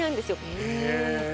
へえ。